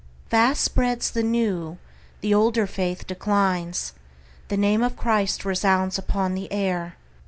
Fast spreads the new; the older faith declines. The name of Christ resounds upon the air.